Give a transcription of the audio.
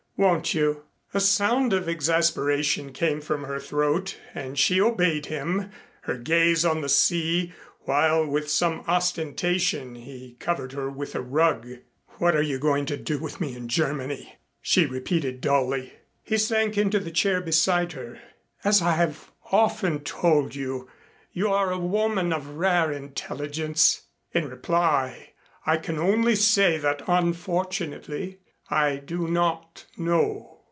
"Won't you?" A sound of exasperation came from her throat and she obeyed him, her gaze on the sea, while with some ostentation he covered her with a rug. "What are you going to do with me in Germany?" she repeated dully. He sank into the chair beside her. "As I have often told you, you are a woman of rare intelligence. In reply I can only say that, unfortunately, I do not know."